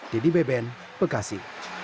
dedy beben bekasi